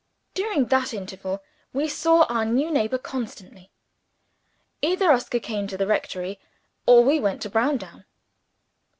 During that interval, we saw our new neighbor constantly. Either Oscar came to the rectory, or we went to Browndown.